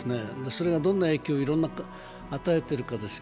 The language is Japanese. それがどんな影響を与えているかです。